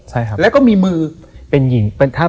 ใช่ครับ